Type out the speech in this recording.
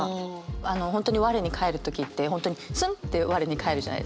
あの本当に我に返る時って本当にスンって我に返るじゃないですか。